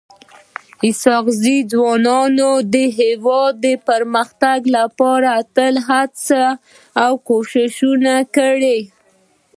اسحق زي ځوانانو د هيواد د پرمختګ لپاره تل هڅي او کوښښونه کړي.